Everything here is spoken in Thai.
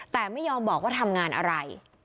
แต่ไม่ยอมบอกว่าทำงานอะไร